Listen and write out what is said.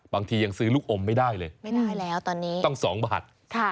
บางทียังซื้อลูกอมไม่ได้เลยต้อง๒บาท